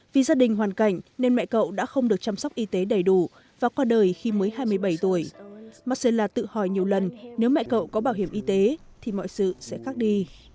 vì gia đình hoàn cảnh nên mẹ cậu đã không được chăm sóc y tế đầy đủ và qua đời khi mới hai mươi bảy tuổi marcella tự hỏi nhiều lần nếu mẹ cậu có bảo hiểm y tế thì mọi sự sẽ khác đi